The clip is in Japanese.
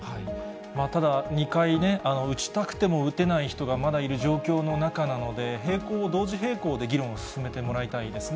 ただ、２回ね、打ちたくても打てない人がまだいる状況の中なので、並行、同時並行で議論を進めてもらいたいですね。